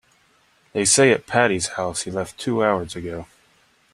They say at Patti's house he left two hours ago.